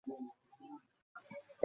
ও আমাকে ধাক্কা মেরে জামা ছিঁড়ে ফেলেছে!